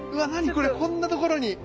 これこんなところに。